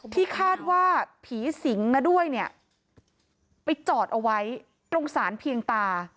ที่คาดว่าผีสิงมาด้วยเนี่ยไปจอดเอาไว้ตรงสารเพียงตา